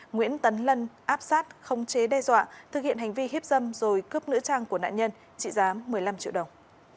nguyễn tấn lân áp sát khống chế đe dọa thực hiện hành vi hiếp dâm rồi cướp nữ trang của nạn nhân trị giá một mươi năm triệu đồng